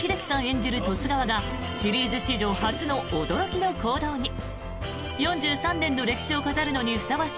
演じる十津川がシリーズ史上初の驚きの行動に。